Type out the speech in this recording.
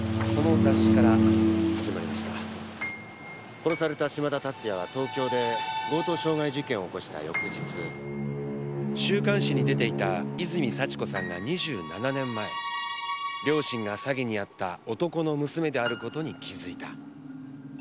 殺された嶋田龍哉は東京で強盗傷害事件を起こした翌日週刊誌に出ていた泉幸子さんが２７年前両親が詐欺に遭った男の娘である事に気づいた。